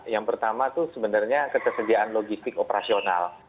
yang pertama itu sebenarnya ketersediaan logistik operasional